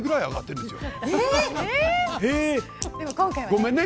ごめんね。